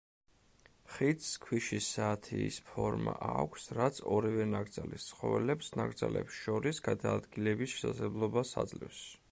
ხიდს ქვიშის საათის ფორმა აქვს, რაც ორივე ნაკრძალის ცხოველებს ნაკრძალებს შორის გადაადგილების შესაძლებლობას აძლევს.